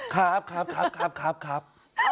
ครับครับครับครับครับครับ